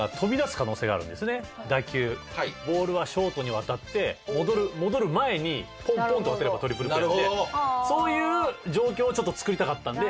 ボールはショートに渡って戻る前にポンポンと渡ればトリプルプレーなのでそういう状況をちょっと作りたかったので。